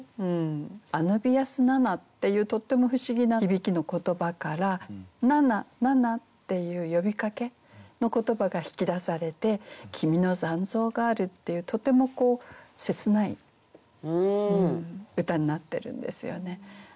「アヌビアス・ナナ」っていうとっても不思議な響きの言葉から「ナナ、ナナ、」っていう呼びかけの言葉が引き出されて「きみの残像がある」っていうとても切ない歌になってるんですよね。